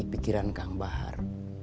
pikiran kang bahar